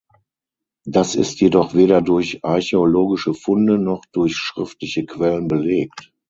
Das ist jedoch weder durch archäologische Funde noch durch schriftliche Quellen belegt.